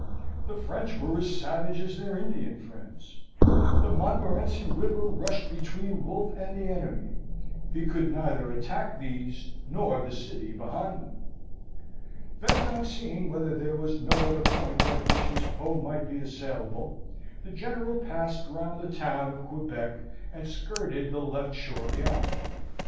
The French were as savage as their Indian friends. The Montmorenci River rushed between Wolfe and the enemy. He could neither attack these nor the city behind them. Bent on seeing whether there was no other point at which his foe might be assailable, the General passed round the town of Quebec and skirted the left shore beyond.